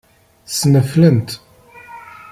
Ssneflent.